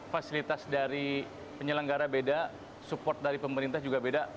fasilitas dari penyelenggara beda support dari pemerintah juga beda